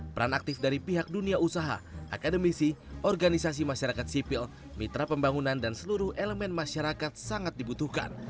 peran aktif dari pihak dunia usaha akademisi organisasi masyarakat sipil mitra pembangunan dan seluruh elemen masyarakat sangat dibutuhkan